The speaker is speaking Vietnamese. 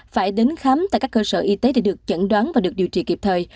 phải đến khám tại các cơ sở y tế để được chẩn đoán và được điều trị kịp thời